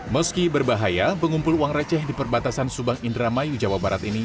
meski berbahaya pengumpul uang receh di perbatasan subang indramayu jawa barat ini